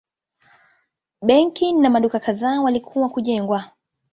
A benki na maduka kadhaa walikuwa kujengwa.